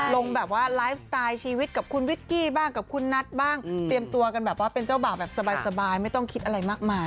ลงแบบว่าไลฟ์สไตล์ชีวิตกับคุณวิกกี้บ้างกับคุณนัทบ้างเตรียมตัวกันแบบว่าเป็นเจ้าบ่าวแบบสบายไม่ต้องคิดอะไรมากมาย